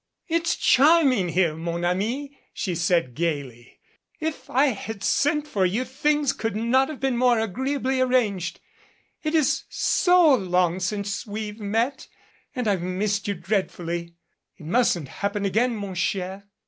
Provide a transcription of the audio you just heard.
"It is charming here, mon ami," she said gaily. "If I had sent for you, things could not have been more agree ably arranged. It is so long since we've met. And I've missed you dreadfully. It mustn't happen again, mon cher."